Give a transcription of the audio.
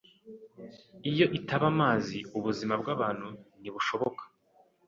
Iyo itaba amazi, ubuzima bwabantu ntibushoboka.